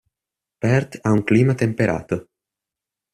Perth ha un clima temperato.